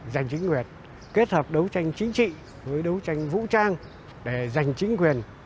giành chính nguyệt kết hợp đấu tranh chính trị với đấu tranh vũ trang để giành chính quyền